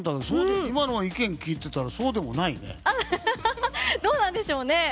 今の意見を聞いてたらそうでもないね。